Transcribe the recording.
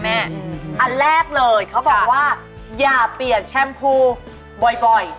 อันแรกเลยเขาบอกว่าอย่าเปลี่ยนแชมพูบ่อย